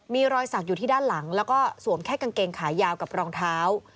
มีรอยสักอยู่ที่ด้านหลังแล้วก็สวมแค่กางเกงขายาวกับรองเท้า